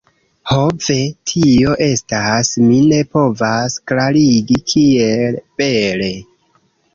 Ho ve... tio estas... mi ne povas klarigi kiel bele